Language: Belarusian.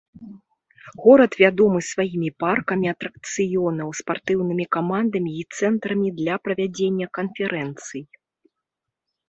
Горад вядомы сваімі паркамі атракцыёнаў, спартыўнымі камандамі і цэнтрамі для правядзення канферэнцый.